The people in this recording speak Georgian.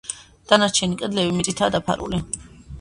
დანარჩენი კედლები მიწითაა დაფარული.